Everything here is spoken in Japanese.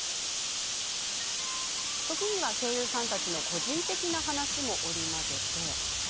時には、声優さんたちの個人的な話も織り交ぜ。